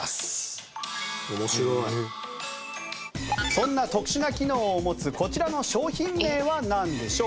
そんな特殊な機能を持つこちらの商品名はなんでしょう？